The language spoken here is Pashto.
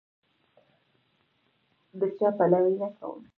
د چا پلوی نه کوم.